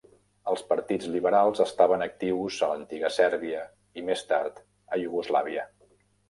Els partits liberals estaven actius a l'antiga Sèrbia i, més tard, a Iugoslàvia.